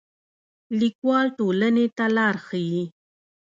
لیکوال ټولنې ته لار ښيي